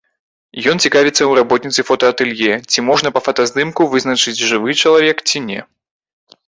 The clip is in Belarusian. Ён цікавіцца ў работніцы фотаатэлье, ці можна па фотаздымку вызначыць, жывы чалавек ці не.